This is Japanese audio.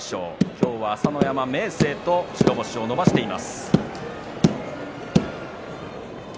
今日は朝乃山と明生白星を伸ばしています。